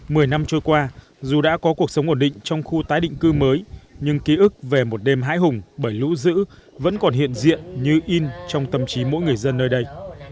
mười năm trôi qua dù đã có cuộc sống ổn định trong khu tái định cư mới nhưng ký ức về một đêm hãi hùng bởi lũ dữ vẫn còn hiện diện như in trong tâm trí mỗi người dân nơi đây